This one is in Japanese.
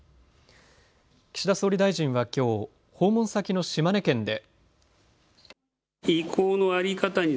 岸田総理大臣はきょう訪問先の島根県で。